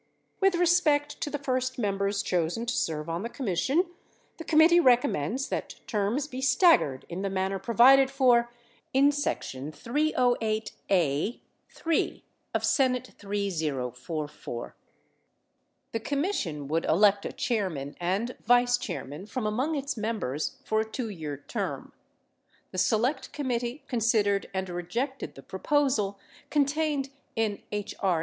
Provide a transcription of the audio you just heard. With respect to the first members chosen to serve on the Commission, the committee recommends that terms be staggered in the manner provided for in section 308 (a) (3) of S. 3044. The Commission would elect a chairman and vice chairman from among its members for a 2 year term. The Select Committee consid ered and rejected the proposal (contained in H.R.